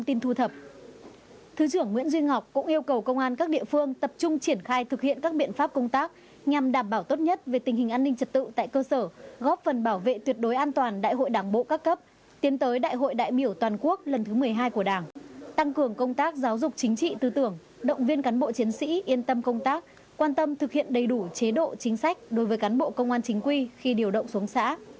thứ trưởng nguyễn duy ngọc cũng yêu cầu công an các địa phương tập trung triển khai thực hiện các biện pháp công tác nhằm đảm bảo tốt nhất về tình hình an ninh trật tự tại cơ sở góp phần bảo vệ tuyệt đối an toàn đại hội đảng bộ các cấp tiến tới đại hội đại biểu toàn quốc lần thứ một mươi hai của đảng tăng cường công tác giáo dục chính trị tư tưởng động viên cán bộ chiến sĩ yên tâm công tác quan tâm thực hiện đầy đủ chế độ chính sách đối với cán bộ công an chính quy khi điều động xuống xã